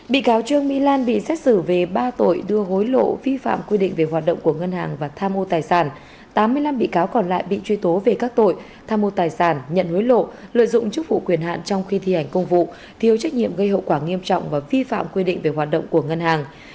bị cáo trương mỹ lan bị xét xử về ba tội đưa hối lộ vi phạm quy định về hoạt động của ngân hàng và tham mô tài sản tám mươi năm bị cáo còn lại bị truy tố về các tội tham mô tài sản nhận hối lộ lợi dụng chức vụ quyền hạn trong khi thi hành công vụ thiếu trách nhiệm gây hậu quả nghiêm trọng và vi phạm quy định về hoạt động của ngân hàng